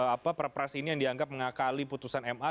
apa perpres ini yang dianggap mengakali putusan ma